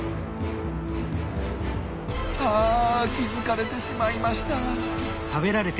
あ気付かれてしまいました。